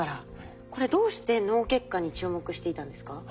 これどうして脳血管に注目していたんですか？